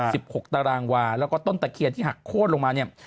หกตารางวาแล้วก็ต้นตะเคียนที่หักโค้นลงมาเนี่ย